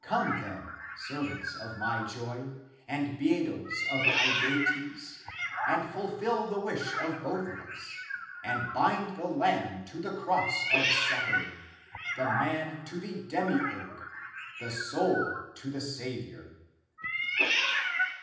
Come then, servants of my joy and beadles of Aegeates, and ful fill the wish of both of us and bind the lamb to the cross of suffering, the man to the demiurge, the soul to the Saviour